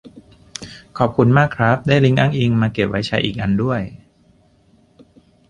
ขอบคุณมากครับ ได้ลิงก์อ้างอิงมาเก็บไว้ใช้อีกอันด้วย